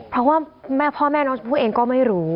เพราะว่าแม่พ่อแม่น้องชมพู่เองก็ไม่รู้